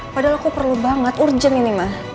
padahal aku perlu banget urgent ini mah